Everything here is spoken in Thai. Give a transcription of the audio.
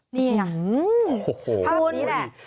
นี่ภาพแบบนี้แหละ